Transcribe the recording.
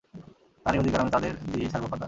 আর এই অধিকার আমি তাদের দিয়েই ছাড়বো, ফাদার।